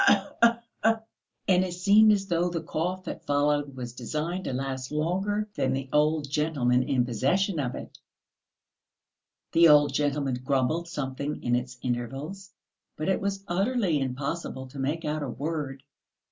Akkhee khee khee!"... And it seemed as though the cough that followed was destined to last longer than the old gentleman in possession of it. The old gentleman grumbled something in its intervals, but it was utterly impossible to make out a word.